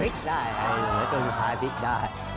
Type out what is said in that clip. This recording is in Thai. พลิกได้ไงอยู่ในตรงที่ซ้ายพลิกได้